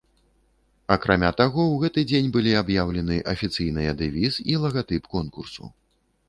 Акрамя таго ў гэты дзень былі аб'яўлены афіцыйныя дэвіз і лагатып конкурсу.